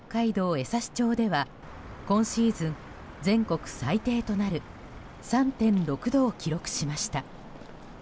枝幸町では今シーズン全国最低となる３．６度を記録しました。